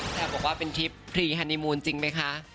บอกว่าเป็นทริปพรีฮันนิมูลจริงไหมคะ